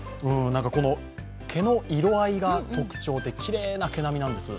毛の色合いが特徴できれいな毛並みなんです。